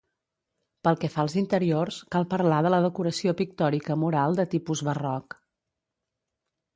Pel que fa als interiors, cal parlar de la decoració pictòrica mural de tipus barroc.